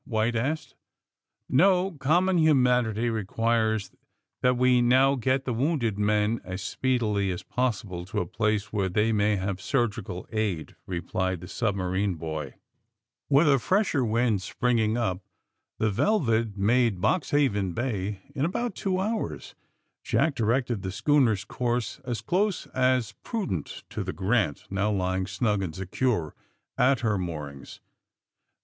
White asked. '^ No ; common humanity requires that we now get the wounded men as speedily as possible to a place where they may have surgical aid," re plied the submarine boy. With a fresher wind springing up the '*Vel 238 THE SUBMARINE BOYS vet'' made Boxliaven Bay in about two hours. Jack directed the schooner's course as close as was prudent to the ^^ Grant/' now lying snug and secure at her moorings.